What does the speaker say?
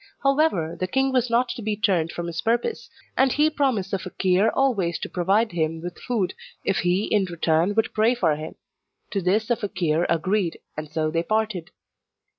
However, the king was not to be turned from his purpose, and he promised the fakeer always to provided him with food, if he, in return, would pray for him. To this the fakeer agreed, and so they parted.